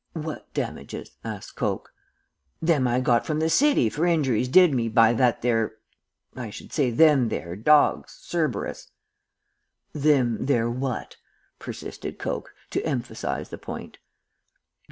"'What damages?' asked Coke. "'Them I got from the city for injuries did me by that there I should say them there dorgs, Cerberus.' "'Them there what?' persisted Coke, to emphasize the point.